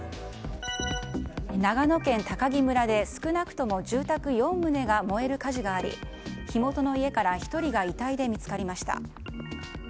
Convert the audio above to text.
長野県喬木村で少なくとも住宅４棟が燃える火事があり火元の家から１人が遺体で見つかりました。